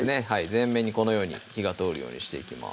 全面にこのように火が通るようにしていきます